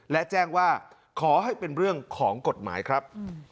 และแจ้งว่าขอให้เป็นเรื่องของกฎหมายครับ